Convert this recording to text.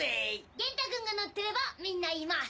元太君が乗ってればみんないます！